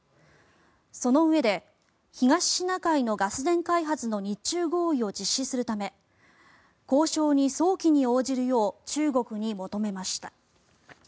そのうえで東シナ海のガス田開発の日中合意を実施するため交渉に早期に応じるよう中国に求めました。